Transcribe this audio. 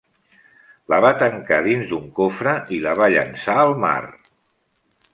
La va tancar dins d'un cofre i la va llançar al mar.